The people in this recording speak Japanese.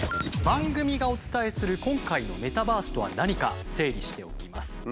番組がお伝えする今回のメタバースとは何か整理しておきます。